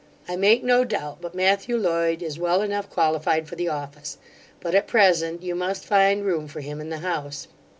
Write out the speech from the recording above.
I make no doubt but Matthew Loyd is well enough qualified for the office; but, at present, you must find room for him in the house.